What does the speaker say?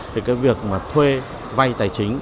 thì cái việc mà thuê vay tài chính